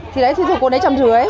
thì đấy xin thưa cô lấy trầm rưỡi